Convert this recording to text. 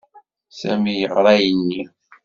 Sami yeɣra ayenni.